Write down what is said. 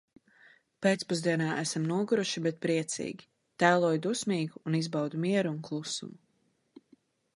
Pēcpusdienā esam noguruši, bet priecīgi. Tēloju dusmīgu un izbaudu mieru un klusumu.